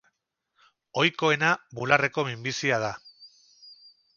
Ohikoena bularreko minbizia da.